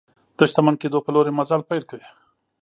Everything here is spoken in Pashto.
د شتمن کېدو په لور یې مزل پیل کړ.